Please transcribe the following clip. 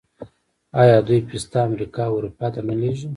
آیا دوی پسته امریکا او اروپا ته نه لیږي؟